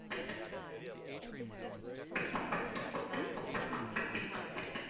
Bring water to a rolling boil for at least one minute.